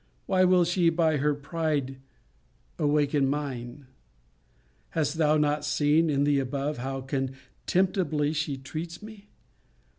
Why will she, by her pride, awaken mine? Hast thou not seen, in the above, how contemptibly she treats me?